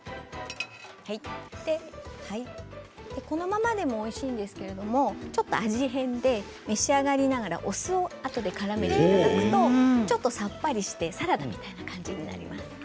このままでもおいしいんですけれどもちょっと味変で召し上がりながらお酢をあとでからめていただくとちょっとさっぱりしてサラダみたいな感じになります。